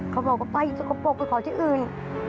เขาบอกว่าไปอีบ้าสกปรกป้าขอเลยที่อื่น